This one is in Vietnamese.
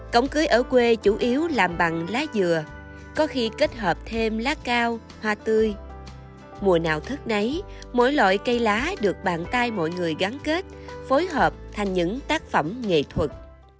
cổng cưới ở quê chủ yếu làm bằng lá dừa có khi kết hợp thêm lá cao hoa tươi mùa nào thức nấy mỗi loại cây lá được bàn tay mọi người gắn kết phối hợp thành những tác phẩm nghệ thuật